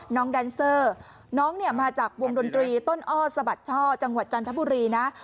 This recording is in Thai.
แดนเซอร์น้องเนี่ยมาจากวงดนตรีต้นอ้อสะบัดช่อจังหวัดจันทบุรีนะ